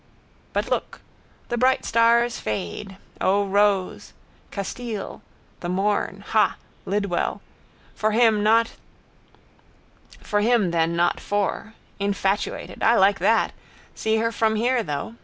But look. The bright stars fade. O rose! Castile. The morn. Ha. Lidwell. For him then not for. Infatuated. I like that? See her from here though.